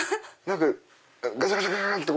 ガシャガシャガシャって。